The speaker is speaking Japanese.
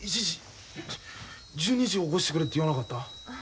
１２時に起こしてくれって言わなかった？